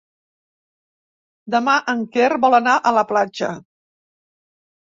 Demà en Quer vol anar a la platja.